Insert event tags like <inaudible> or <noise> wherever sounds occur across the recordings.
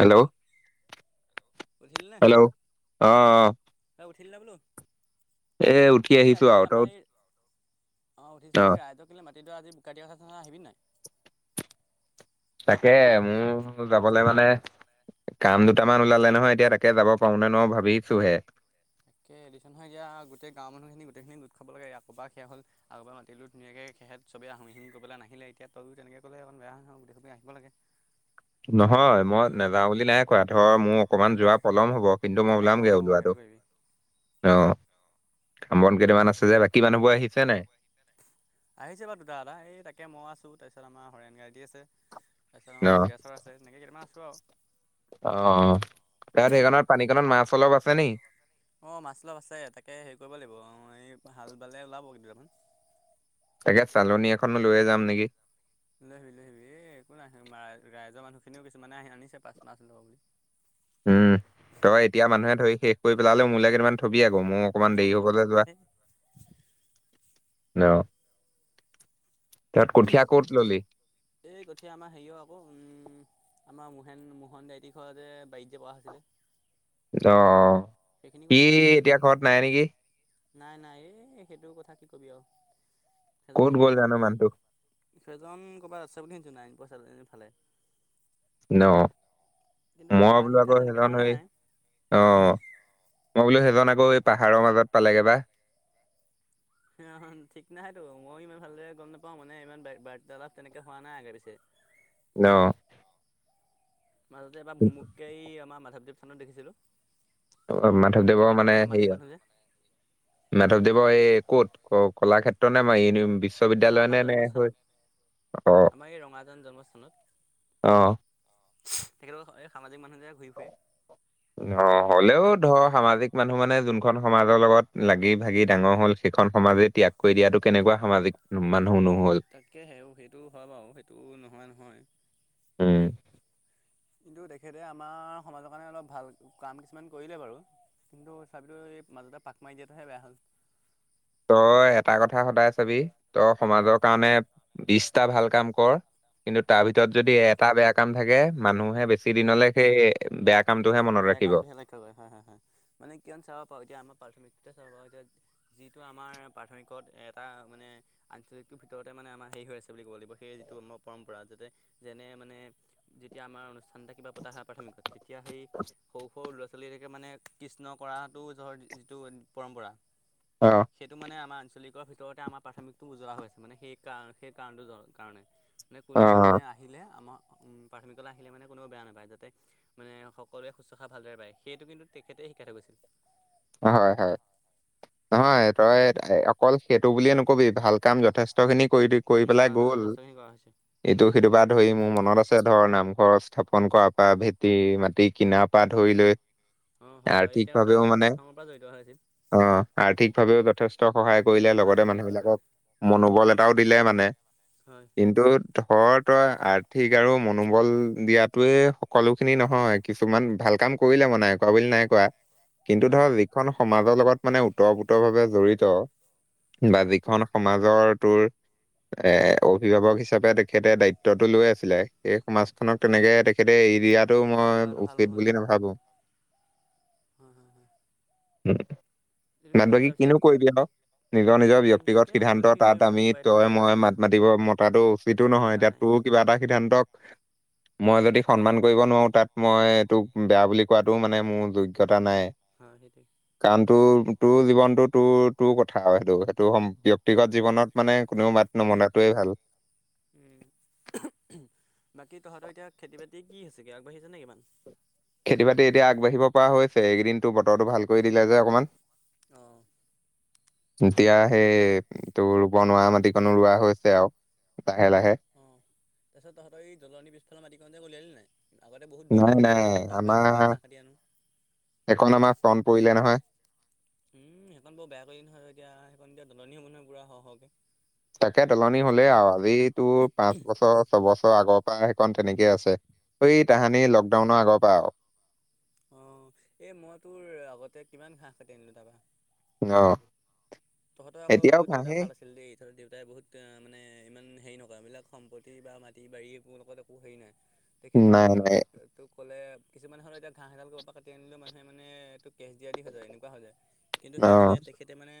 Hello? উঠিলি নাই? Hello অ অ উঠিলী নাই বোলোঁ? এ উঠি এই আহিছো আজি আৰু আমাৰ তই এই অ', উঠিছোঁ এই ৰাইজক কেলে মাটিতো আজি বোকা দিয়া কথা আছে নহয় আহিবি নাই? তাকে মোৰ যাবলৈ মানে কাম দুটামান ওলালে নহয় এতিয়া তাকে যাব পাৰোঁ নে নোৱাৰোঁ ভাবিছোঁ হে। কে <unintelligible> গোটেই গাঁওৰ মানুহখিনি গোটেইখিনি গোট খাব লাগে কবা সয়া হ'ল আগৰ পৰা মাতিলোঁ ধুনীয়াকৈ খেহেত চবে আহিম-আহিম কৈ নাহিলে এতিয়া তইয়ো তেনেকে ক'লে অকণ বেয়া হয় নহয় গোটেই সোপাই আহিব লাগে। <inaudible> নহয় মই নাযাওঁ বুলি নাই কোৱা। ধৰ মোৰ অকনমান যোৱা পলম হব কিন্তু মই অঁ ওলামগে অঁ ওলোৱাটো। সেইটো কৰিবি অ', কাম বন কেইটামান আছে যে বাকী মানুহবোৰ আহিছে নাই? আহিছে বাৰু দুটা এটা। এই তাকে মই আছোঁ তাৰপিছত আমাৰ হৰেণ কাইতি আছে। তাৰপিছত অ আমাৰ যোগেশ্বৰ আছে তেনেকেই কেইটামান আছোঁ আও। অ', অ', তাত সেইখনত পানীকণত মাছ অলপ আছে নি? অ', মাছ অলপ আছে তাকে হেৰি কৰিব লাগিব অ', এই হাল বালে ওলাব কেইটামান। তাকে চালনী এখনো লৈয়ে যাম নেকি? লৈ আহিবি-লৈ আহিবি। এই একো নাই, ৰাইজৰ মানুহখিনিও কিছুমানে আহি আনিছে পাচ মাছ ল'ব বুলি। উম, তই এতিয়া মানুহে ধৰি শেষ কৰি পেলালে মোলে কেইটামান থবি আকৌ, মুৰ অঁ অকণমান থম দেৰি হব থম যে থম যোৱা। এই অ', তাত কঠীয়া কত ললি? এই কঠীয়া আমাৰ হেৰিও আকৌ, উম আমাৰ মোহেন মোহন দাইতী ঘৰতে বাৰীতযে কৰা হৈছিলে। অ', অ'। সেইখিনি কথিয়াই আৰু। নাই-নাই এই সেইটো কথা কি কবি আৰু, সেইজন ক'ত গ'ল মহা জানো মানুহটো সেইজন ক'ৰবাত আছে বুলি শুনিছোঁ, নাৰায়ণপুৰ <unintelligible> ফালে। অ', কিন্তু মই দেখা বোলোঁ আকৌ সাক্ষাৎ তেনেকৈ সেইজন হোৱা হেই নাই অ', মই বোলোঁ সেইজন আকৌ এই পাহাৰৰ মাজত পালেগে বা? <unintelligible> ঠিক নাই তো ময়ো ইমান ভালদৰে গম নাপাওঁ মানে ইমান বাৰ্তালাপ তেনেকে হোৱা নাই আগে পিছে। অ'। মাজতে এবাৰ ভুমুক কে এই আমাৰ মাধৱদেৱ স্থানত দেখিছিলোঁ। মাধৱদেৱৰ তেখেতৰ আকৌ মানে সামাজিক হেৰি আৰু? মানুহ যে মাধৱদেৱৰ এই ক'ত? কলাক্ষেত্ৰ নে মই ই বিশ্ব নহয় আমাৰ অ জন্মস্থানত। আমাৰ এই ৰঙাজান জন্মস্থানত। অ তেখেতৰ এই সামাজিক মানুহ যে ঘূৰি ফুৰে। <unintelligible> অ', হ'লেও ধৰ সামাজিক মানুহ মানে যোনখন সমাজৰ লগত লাগি ভাগি ডাঙৰ হ'ল সেইখন সমাজেই ত্যাগ কৰি দিয়াটো কেনেকুৱা সামাজিক মানুহ নহ'ল? তাকে সে সেইটো হয় বাৰু সেইটোও নহোৱা নহয়। উম। কিন্তু তেখেতে আমাৰ সমাজৰ কাৰণে অলপ ভাল কাম কিছুমান কৰিলে বাৰু। কিন্তু চাবিতো এই মাজতে পাক মাৰি দিয়াতোহে বেয়া হ'ল। তই এটা কথা সদায় চাবি, তই সমাজৰ কাৰণে বিছটা ভাল কাম কৰ কিন্তু তাৰ ভিতৰত যদি উম এটা বেয়া কাম থাকে, মানুহে বেছি হয়। দিনলে সেই বেয়া কামটোহে মনত বেয়া ৰাখিব কামটো হে লকে কৰে হয়-হয়-হয়। মানে কিয়মান চাব পাৰোঁ এতিয়া আমাৰ প্ৰাৰথমিকতে চাব পাৰোঁ, এতিয়া যিটো আমাৰ প্ৰাথমিকত এটা মানে আঞ্চলিকটোৰ ভিতৰতে মানে আমাৰ হেৰি হৈ আছে বুলি ক'ব লাগিব সেই যিটো আমাৰ পৰম্পৰা। যাতে যেনে মানে যেতিয়া আমাৰ অনুষ্ঠান এটা কিবা পতা হয়া প্ৰাথমিকত, তেতিয়া সেই সৰু-সৰু ল'ৰা ছোৱালী বিলাকে মানে কৃষ্ণ কৰাটোৰ যিটো পৰম্পৰা? অ'। সেইটো মানে আমাৰ আঞ্চলিকৰ ভিতৰতে আমাৰ প্ৰাথমিকটো উজোৱা হৈ হৈছে মানে সেই কাৰ সেই কাৰণটো কাৰণে। মানে অ কোনোৱে মানে আহিলে আমাৰ প্ৰাথমিকলে আহিলে মানে কোনোৱও বেয়া নাপায় যাতে মানে সক সকলোৱে শুশ্ৰষ ভালদৰে পায়। সেইটো কিন্তু তেখেতে শিকাই থৈ গৈছিল। হয়-হয়। নহয় তই অকল সেইটো বুলিয়ে নকবি, ভাল কাম যথেষ্ট খিনি কৰি দি কৰি উম পেলাই হয় হয় গ'ল। যথেষ্টখিনি কৰা হৈছে এইটো সেইটোৰপৰা ধৰি মোৰ মনত আছে ধৰ নামঘৰ স্থাপন কৰ পৰা ভেটি মাটি কিনাৰ পা ধৰি লৈ অ', হয়-হয়। তেওঁ তা আৰ্থিকভাৱেও মানে প্ৰথমৰ পৰা জড়িত হৈ আছিল। অ', আৰ্থিকভাৱেও যথেষ্ট সহায় কৰিলে হয় লগতে গৈছিল হয় হয় মানুহবিলাকক মনোবল এটাও দিলে মানে। হয় কিন্তু ধৰ তই আৰ্থিক আৰু মনোবল দিয়াতয়ে সকলো খিনি নহয় কিছুমান ভাল কাম কৰিলে মানে, কৰা বুলি নাই কোৱা। কিন্তু হয়। ধৰক যিখন সমাজৰ লগত মানে উতঃ পুতহ ভাৱে জড়িত বা হয় যিখন সমাজৰ তোৰ এ অভিভাৱক হিচাপে তেখেতে দায়িত্বটো লৈ আছিলে, সেই সমাজখনক তেনেকে তেখেতে এৰি দিয়াত টো পৰিত্যাগ মই কৰাটো ভাল উচিত নহ'ল বুলি নাভাবো। হয় হয়-হয়। <unintelligible> বাকী তাৰপিছত কিনো কৰিবি <unintelligible> নিজৰ- নিজৰ উম তাকে ব্যয়ক্তিগত আমিনো সিদ্ধান্ত কি তাত কৰিম আৰু আমি উপায়তো তই নাই মই মাত মাতিব মতাটো উচিতো নহয়, অধিকাৰ এতিয়া নাই তোক কিবা এটা সিদ্ধান্তক মই যদি সন্মান কৰিব নোৱাৰো, তাত মই এইটোক বেয়া বুলি কোৱাটো মানে মোৰ যোগ্যতা নাই। হা সেইটোৱে। কাৰণ তোৰ- তোৰ জীৱনটো তোৰ- তোৰ কথা আৰু সেইটো-সেইটো সম ব্যক্তিগত জীৱনত মানে কোনেও মাত হয় হয় নমনাটোৱে ভাল। উম, বাকী তহঁতৰ এতিয়া খেতি বাতি কি হৈছেগে আগবাঢ়ি আছেনে কিমান। খেতি বাতি এতিয়া আগবাঢ়িব পৰা হৈছে, এইকেইদিন তোৰ বতৰটো ভাল কৰি দিলে যে অকমান। অ'। এতিয়া সেই তোৰ বনোৱা মাটিকনো ৰোৱা হৈছে আৰু। লাহে-লাহে। অ', তাৰপিছত তহতৰ জ্বলনী পিছফালৰ মাটিকন যে উলিয়ালি নাই। আগতে বহুত দল নাই আছিলে নাই নহয়, মই তাপাই গৰুলে আমাৰ ঘাঁহ কাটি আনো। এখন আমাৰ ফ্ৰণ্ট পৰিলে নহয়। উম, সেইখন বৰ বেয়া কৰিলে নহয় এতিয়া সেইখন এতিয়া দলনী হ'ব নহয় পুৰা হ-হকে। তাকে তলনি হ'লেই আৰু আজি তোৰ পাঁচ বছৰ ছবছৰ আগৰ পৰা সেইকণ তেনেকেই আছে। এই তাহানি লকডাউনৰ আগৰ পৰা আৰু। অ', এই মই তোৰ আগতে কিমান ঘাঁহ কাটি আনিলো তাপা। অ'। তহঁতৰ আকৌ এতিয়াও দেউতা কাঁহে ভাল আছিল আছিল দেই তহঁতৰ দেউতাই বহুত মানে ইমান হেৰি নকৰে, এইবিলাক সম্পতি বা মাটি বাৰী এইবোৰৰ লগত একো হেৰি নাই। তেখেতে নাই মানে নাই এইবিলাক তোক ক'লে কিছুমান হ'লে এতিয়া ঘাঁহ এডাল ক'ৰবাৰ পৰা কাটি আনিলে মানুহে মানে এইটো কেছ দিয়া দি হৈ যায় এনেকুৱা হৈ যায়, কিন্তু অ সেইজনে তেখেতে মানে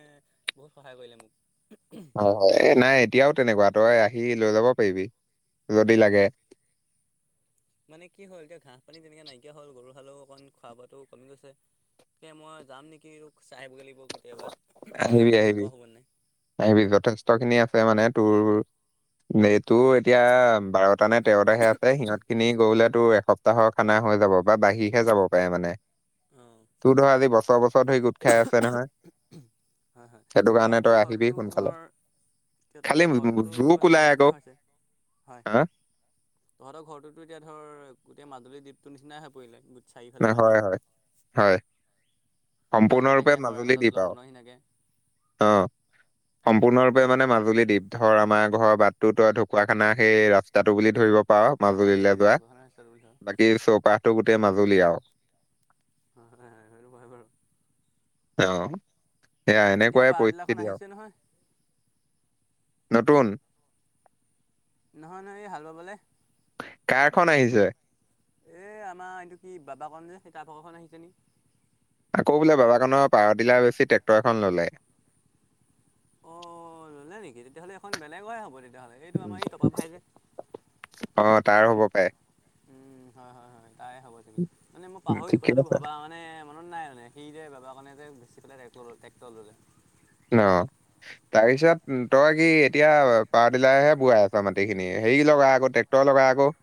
বহুত সহায় কৰিলে মোক। অ', অ', এ নাই এতিয়াও তেনেকুৱা, তই আহি লৈ যাব পাৰিবি। হয়- যদি হয়। লাগে মানে কি হ'ল এতিয়া ঘাঁহ পানী তেনেকুৱা নাইকিয়া হ'ল, গৰু হালও অকণ খোৱা বোৱাটো কমি গৈছে। তাকে মই যাম নেকি চাই আহিবগে লাগিব কেতিয়াবা, আহিবি কাটিব আহিবি পৰা হ'ব নে নাই। আহিবি, যথেষ্টখিনি আছে মানে তোৰ এই তোৰ এতিয়া বাৰটা নে তেৰটা হেৰাইছে, সিহঁত খিনি গৰুলে তোৰ এসপ্তাহৰ খানা হৈ যাব বা বাঢিহে যাব পাৰে মানে। অ'। তোৰ ধৰ আজি বছৰ- বছৰ ধৰি গোট খাই আছে নহয়, সেইটো কাৰণে তই আহিবি এটো সোনকালে ধৰ সিঁহতৰ খালি এতিয়া ঘৰটোতো জোক ওলাই হেৰিয়ৰ আকৌ নিচিনা হৈছে, হয়। হা তহঁতৰ ঘৰটোতো এতিয়া ধৰ গোটেই মাজুলী দ্বীপটো নিচিনাই হৈ পৰিলে, গো হয় হয়- হয়, মাজতে সম্পূৰ্ণৰূপে সেয়া মাজুলী শৰাইঘাটত দ্বীপ আও। দলংখনৰ নিচিনাকে অ'। সম্পূৰ্ণৰূপে মানে মাজুলী দীপ, ধৰ আমাৰ ঘৰৰ বাটতো তই ঢকুৱাখানা সেই ৰাস্তাটো বুলি ধৰিব পাওৰ অ মাজুলীলে সেইটোৱে যোৱা, ঢকুৱাখানা ৰাস্তাটো বুলি ধৰ বাকী চৌপাশটো গোটে মাজুলী আও। <unintelligible> সেইটো হয় বাৰু। অ, সেয়া এতিয়া এনেকুৱাই পাৱাৰ টিলাৰখন পৰিস্থিতি আও। আহিছে নহয় নতুন। নহয়, নহয় এ হাল বাবলে। কাৰ খন আহিছে? এ আমাৰ এইটো কি বাবাকণ যে, সেই তাৰ ভাগৰখন আহিছে নি? আকৌ বোলে বাবাকানৰ পাৱাৰ ডিলাৰ বেছি ট্ৰেক্টৰ এখন ল'লে। অ, ল'লে নেকি? তেতিয়াহ'লে এখন বেলেগৰে হ'ব তেতিয়াহ'লে। এইটো আমাৰ এই টপা ভাই যে অ, তাৰ হ'ব পায়। উম হয়, হয়, হয়। তাৰে হ'ব চাগে। মানে মই উম, পাহৰিলোঁ ঠিকে কথাটো আছে ভবা <unintelligible> নে মনত নাই মানে সি যে বাবাকণে যে বেছি পেলাই টেক-ট্ৰেক্টৰ ল'লে। ন অ। তাৰপিছত তই কি এতিয়া পাৱাৰ ডিলাৰেহে বোৱাই আছ মাটিখিনি? হেৰি লগা আকৌ টেক টেক্টৰ লগা আকৌ।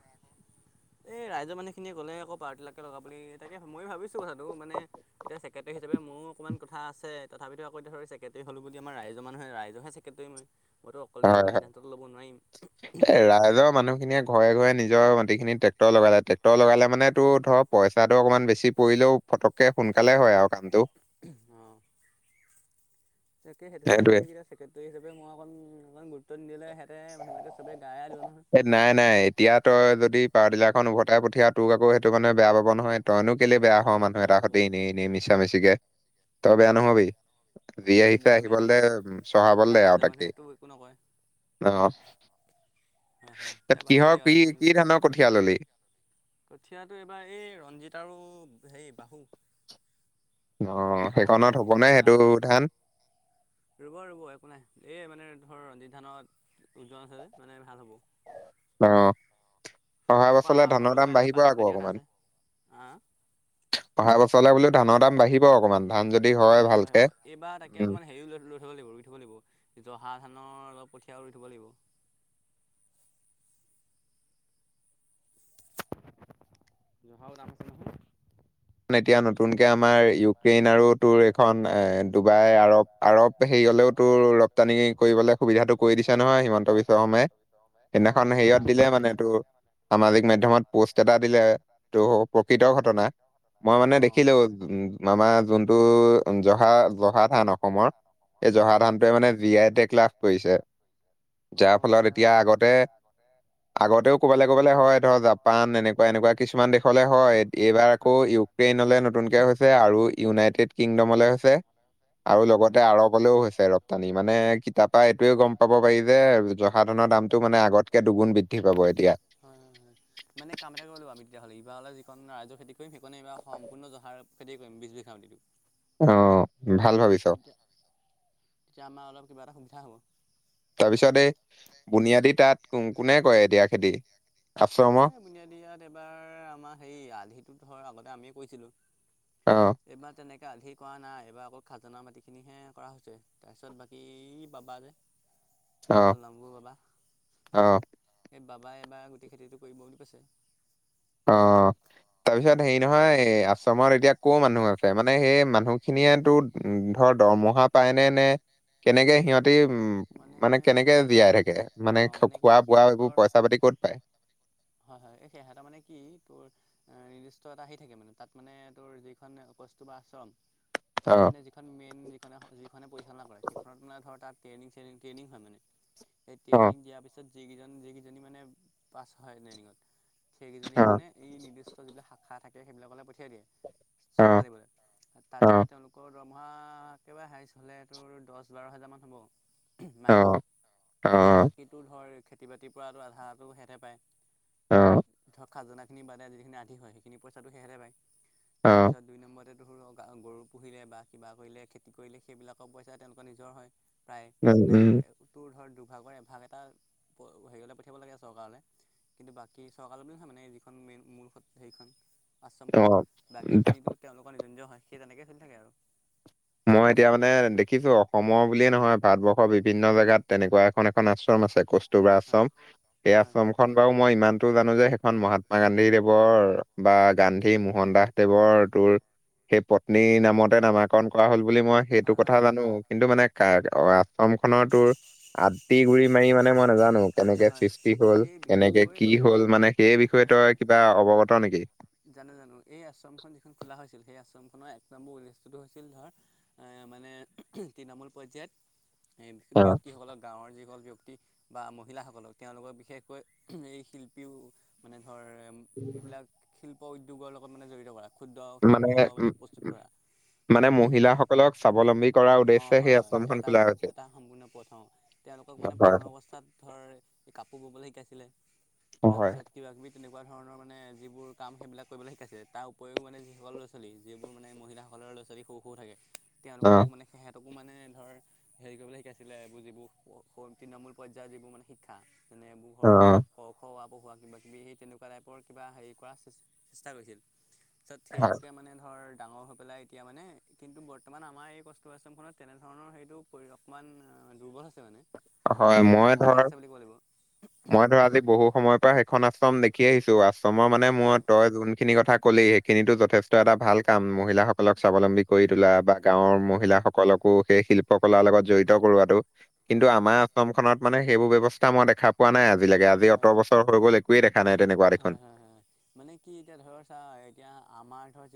এ ৰাইজৰ মানুহখিনিয়ে গ'লে আক' পাৱাৰ ডিলাকে লগা বুলি। তাকে মইও ভাবিছো কথাটো মানে এতিয়া চেক ক্ৰেটেৰী হিচাপে মোৰো অকমান কথা আছে। তথাপিতো আকৌ এতিয়া ধৰ চেক্ৰেটেৰী হ'লো বুলিয়ে আমাৰ ৰাইজৰ মানুহে ৰাইজৰহে চেক্ৰেটেৰী মই। মইতো অকলে হয় এইটো সিদ্ধান্তটো ল'ব নোৱাৰিম। <unintelligible> এই ৰাইজৰ মানুহখিনিয়ে ঘৰে ঘৰে নিজৰ মাটিখিনি টেক্টৰ লগালে। টেক্টৰ লগালে মানে তোৰ ধৰক পইচাটো অকমান বেছি পৰিলেও ফটককে সোনকালে হয় আও কামটো। <unintelligible> অ। তাকে সেইটোহে কৰো সেইটোৱে নেকি এতিয়া। ছেক্ৰেটেৰী হিচাপে মই অকণ মান গুৰুত্ব নিদিলে হেতে মানুহবিলাকে চবে গা এৰা দিব নহয়। এই নাই, নাই। এতিয়া তই যদি পাৱাৰ ডিলাৰখন উভতাই পঠিয়া তোক আকৌ সেইটো মানে বেয়া পাব নহয়। তইনো কেলে বেয়া হ অঁ মানুহটো মানুহ বেয়া এটাৰ হ'ব সতি এনে এনে মিছা মিছিকে। তই বেয়া হয় হয় নহবি। ঘূৰি অঁ আহি এতিয়া <unintelligible> মইহে বেয়া হ'ম আহিবলে দে। চহাবলে কাৰণ দে আৰু ৰাইজৰ তাকেই, মানুহেতো একো নকয় অ। হয় হয় তাত এতিয়া বাদেই কিহৰ দিয়ক আৰু কি, সেইখন কি নকয় ধানৰ কঠিয়া ল'লি? কঠীয়াটো এইবাৰ এই ৰঞ্জিত আৰু হেই বাহু। অ, বাও নে সেইখনত কি এইটো হ'বনে কিবা সেইটো ধান? ৰুব, ৰুব একো নাই। এই মানে ধৰ ৰঞ্জিত ধানত ওজন আছে যে মানে ভাল হ'ব। অ, অহা আকৌ বছৰলে আমাৰ ধানৰ ঘৰৰো দাম কাইলৈৰ বাহিব পৰা বোকা আকৌ দিয়া কথা আছে অকমান। আহ অহা বছৰলে বোলো ধানৰ দাম বাহিব অকমান ধান যদি অঁ হয় বাঢ়িব বাঢ়িব ভালকে। এইবাৰ তাকে উম অকমান হেৰি লৈ লৈ থ'ব লাগিব, ৰুই থব লাগিব। জহা ধানৰ অলপ কঠিয়াও ৰুই থ'ব লাগিব। <unintelligible> জহাও দাম আছে নহয়। মানে এতিয়া নতুনকে আমাৰ ইউক্ৰেইন আৰু তোৰ এখন এ ডুবাই আৰৱ আৰৱ হেৰিয়লেও তোৰ ৰপ্তানি কৰিবলে সুবিধাটো কৰি দিছে নহয় হিমন্ত বিশ্ব শৰ্মাই। সেদিনাখন অঁ এতিয়া হেৰিয়ত আমি দিলে সেইকাৰণে মানে তোৰ সামাজিক মাধ্যমত পোষ্ট এটা দিলে টো প্ৰকৃত ঘটনা। মই মানে অঁ দেখিলো উ আমাৰ যোনটো জহা জহা ধান অসমৰ এ জহা হয় ধানটোৱে মানে জি আই টেগ লাভ কৰিছে। যাৰ অঁ ফলত তেতিয়াহ'লে এতিয়া বৰ ভাল কথা আগতে হ'ব আগতেও ক'বালে ক'বালে হয় ধৰ জাপান, এনেকুৱা এনেকুৱা কিছুমান দেশলে হয়। এইবাৰ ইউক্ৰেনলে নতুনকে হৈছে আৰু ইউনাইটেড কিংডমলৈ হৈছে আৰু হয় হয় লগতে আৰৱ <unintelligible> লেও হৈছে ৰপ্তানি, মানে কিতাপ বা এইটোয়ে গম পাব পাৰি যে, জহা ধানৰ দামটো মানে আগতকে দুগুণ বৃদ্ধি পাব এতিয়া। হয় হয়- হয়। মানে কাম এটা কৰিব লাগিব আমি তেতিয়াহ'লে, ইবাৰলে যিখন ৰাইজৰ খেতি কৰিম সেইকনে এইবাৰ সম্পূৰ্ণ জহাৰ খেতিয়ে কৰিম বিছ বিঘা মাতিটো। অ', ভাল ভাবিছ <unintelligible> এতিয়া আমাৰ অলপ কিবা এটা সুবিধা হ'ব। তাৰপিছত এই বুনিয়াদী তাত কোনে কৰে এতিয়া খেতি, আশ্ৰমৰ। বুনিয়া দিয়াত এবাৰ আমাৰ হেৰি আধিটো ধৰ আগতে আমিয়ে কৰিছিলো। অ'। এইবাৰ তেনেকৈ আধি কৰা নাই, এইবাৰ আকৌ খাজানা মাটিখিনিহে কৰা হৈছে, তাৰপিছত বাকী ই বাবা যে <inaudible> আমাৰ <unintelligible> গোৰ বাবা। অ'। এই বাবাই এবাৰ গোটেই খেতিটো কৰিব বুলি কৈছে। অ'। তাৰপিছত হেৰি নহয়, এ আশ্ৰমত এতিয়া ক'ৰ মানুহ আছে, মানে সেই মানুহখিনিয়ে তো উম, ধৰ দৰমহা পায় নে- নে, কেনেকে সিহঁত তি উম, মানে কি কেনেকে বুলি ক'ম এতিয়া জীয়াই থাকে, মানে অঁ কি খোৱা-বোৱা এইবোৰ সিহঁতৰ পইচা-পাতি ক'ত পায়। হয়- হয়, এই সেহেতে মানে কি তোৰ এ নিৰ্দিষ্ট এটা আহি থাকে মানে, তাত মানে তোৰ যিখন কস্তুৰবা আশ্ৰম, তাৰ অ', মানে অৰ্থাৎ মেইন যিখনে-যিখনে পৰিচালনা কৰে, সেইখনত মানে ধৰ তাত ট্ৰেইনিং চেইনিং ট্ৰেইনিং হয় মানে। এই অ', ট্ৰেইনিং দিয়াৰ পিছত যিকেইজন যিকেইজনী মানে পাছ হয় ট্ৰেইনিঙত, সেইকেইজনীক অ', মানে এই নিৰ্দিষ্ট যিটো শাখা থাক কে সেইবিলাকলে পঠিয়াই দিয়ে, অ', অ', চম্ভাবলিবলে, তাত মানে অ', তেওঁলোক কৰ দৰমহা একেবাৰে হাইজ হ'লে তোৰ দছ বাৰ হেজাৰ মান হ'ব। মাহেকত, অ', বাকী তোৰ ধৰ খেতি বাতিৰ পৰা তোৰ আধাটো সেহেতে পায়। অ'। ধৰ খাজানাখিনি বাদে যিখিনি আধি হয়, সেইখিনি পইচাটো সেহেতে পাই, অ', তাৰপিছত দুই নম্বৰতে ধৰ গৰু পুহিলে বা কিবা কৰিলে, খেতি কৰিলে, সেইবিলাকৰ পইচা তেওঁলোকৰ নিজৰ হয়। প্ৰায়, উম, মানে উম, তোৰ ধৰ দুভাগৰ, এভাগ এটা হেৰিয়লে পঠিয়াব লাগে চৰকাৰলে। কিন্তু বাকী চৰকাৰৰ বুলি নহয় মানে, যিখন মেইন মূল হেৰিখন আশ্ৰমখন, অ', ধ- বাকীখিনিতো তেওঁলোকৰ নিজৰ- নিজৰ হয়, সেই তেনেকে চলি থাকে আৰু। মই এতিয়া মানে দেখিছো, অসমৰ বুলিয়ে নহয়, ভাৰতবৰ্ষৰ বিভিন্ন জেগাত তেনেকুৱা এখন- এখন আশ্ৰম আছে, কৌচ টোৰবা হয় আশ্ৰম, এই হয় আশ্ৰম খন বাৰু মই ইমানতো জানো যে, সেইখন মহাত্মা গান্ধী দেৱৰ বা গান্ধী মোহন দাস দেৱৰ তোৰ সেই পত্নীৰ নামতে নামাকৰণ কৰা হ'ল বুলি মই সেইটো হয় কথা হয়। জানো, কিন্তু মানে কা আশ্ৰমখনৰ তোৰ আ তি গুৰি মাৰি মানে মই নাজানো, কেনেকে হয় সৃষ্টি হ'ল, এই কেনেকে বিশেষকৈ কি হ'ল, মানে সেই বিষয়ে হয় হয় তই হয়। কিবা অৱগত নেকি। জানো- জানো, এই আশ্ৰমখন যিখন খোলা হৈছিল, সেই আশ্ৰমখনৰ এক নম্বৰ উদ্দেশ্যটো হৈছিল ধৰ এ মানে তৃণমূল পৰ্যায়ত অ ব্যক্তিসকলৰ গাঁৱৰ যিসকল ব্যক্তি বা মহিলাসকলক, তেওঁলোকৰ বিশেষকৈ এই শিল্পীও মানে ধৰ এইবিলাক শিল্প উদ্যোগৰ লগত মানে জড়িত কৰা, ক্ষুদ্ৰ শিল্প মানে প্ৰস্তুত কৰা। মানে মহিলাসকলক স্বাৱলম্বী কৰাৰ অ', উদ্দেশ্যে হয়- সেই হয়, আশ্ৰমখন খোলা এটা- হৈছে এটা সম্পূৰ্ণ পথ অ'। তেওঁলোকক মানে হয় প্ৰথম অৱস্থাত ধৰ এই কাপোৰ ববলৈ শিকাইছিলে। হয় তাৰপিছত কিবা-কিবি তেনেকুৱা ধৰণৰ মানে যিবোৰ কাম সেইবিলাক কৰিবলে শিকাইছিলে। তাৰ উপৰিও মানে যিসকল ল'-ছালী, যিবোৰ মানে মহিলাসকলৰ ল'-ছালী সৰু সৰু থাকে অ তেওঁলোককো মানে সেহঁতকো মানে ধৰ হেৰি কৰিবলৈ শিকাইছিলে, বুজিব <unintelligible> তৃণমূল পৰ্যায়ৰ যিবোৰ মানে শিক্ষা যেনে এইবোৰ অ ঘৰ ক-খ, অ-আ পহোৱা কিবা-কিবি সেই তেনেকুৱা টাইপৰ কিবা হেৰি কৰা আছ চেষ্টা কৰিছিল। তাৰপিছত হয় সেইটোকে মানে ধৰ ডাঙৰ হৈ পেলাই এতিয়া মানে কিন্তু বৰ্তমান আমাৰ এই কষ্ট আশ্ৰমখনত তেনেধৰণৰ সেইটো পৰি অকমান দুৰ্বল আছে মানে। হয়, যিহেতু মই নামতহে ধৰ আছে বুলি ক'ব লাগিব মই ধৰ আজি বহু সময়ৰ পৰা সেইখন আশ্ৰম দেখি আহিছো। আশ্ৰমৰ মানে মই হয় তই যোনখিনি কথা ক'লি খিনিতো যথেষ্ট এটা ভাল কাম। মহিলাসকলক স্বাৱলম্বী কৰি তোলা বা গাঁৱৰ মহিলাসকলকো সেই শিল পকলাৰ লগত জড়িত কৰোৱাতো, কিন্তু হয় হয় আমাৰ আশ্ৰমখনত মানে সেইবোৰ ব্যৱস্থা মই দেখা পোৱা নাই আজিলেকে। আজি অত হয় বছৰ হৈ গ'ল একোৱে দেখা নাই তেনেকুৱা দেখোন। হয় হয় হয় মানে কি এতিয়া ধৰ চা, এতিয়া আমাৰ ধৰ যি